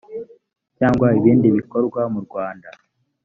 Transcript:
cyangwa ibindi bikorwa mu rwanda